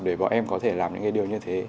để bọn em có thể làm những cái điều như thế